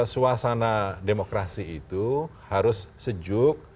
suasana demokrasi itu harus sejuk